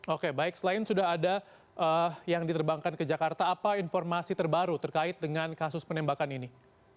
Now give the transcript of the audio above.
oke baik selain sudah ada yang diterbangkan ke jakarta apa informasi terbaru terkait dengan kasus penembakan ini